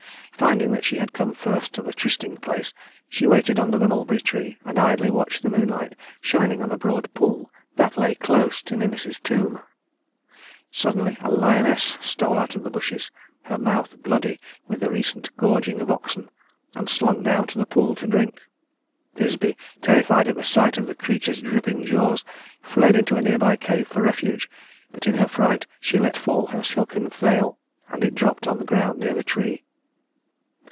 Finding that she had come first to the trysting place, she waited under the mulberry tree, and idly watched the moonlight shining on a broad pool that lay close to Ninus's tomb. Suddenly a lioness stole out of the bushes, her mouth bloody with the recent gorging of oxen, and slunk down to the pool to drink. Thisbe, terrified at the sight of the creature's dripping jaws, fled into a near by cave for refuge; but in her fright she let fall her silken veil, and it dropped on the ground near the tree.